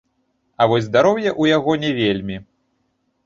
А вось здароўе ў яго не вельмі.